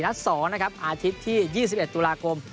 ๒นะครับอาทิตย์ที่๒๑ตุลาคม